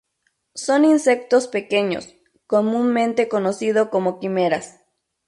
Son insectos pequeños, comúnmente conocido como quimeras.